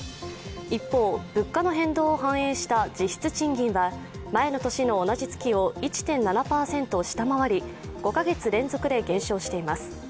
一方、物価の変動を反映した実質賃金は前の年の同じ月を１．７％下回り５か月連続で減少しています。